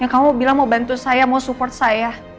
kamu bilang mau bantu saya mau support saya